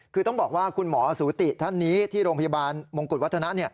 คือต้องบอกว่าคุณหมอสูติท่านนี้ที่โรงพยาบาลมงกุฎวัฒนะ